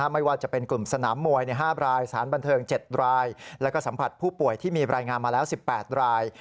ไม่ว่าจะเป็นกลุ่มสนามมวย๕รายสารบันเทิง๗รายแล้วก็สัมผัสผู้ป่วยที่มีรายงานมาแล้ว๑๘ราย